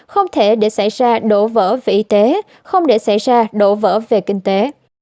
không thể để xảy ra đổ vỡ về y tế không để xảy ra đổ vỡ về kinh tế